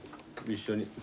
一緒に。